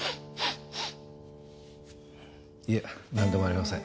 いえ何でもありません。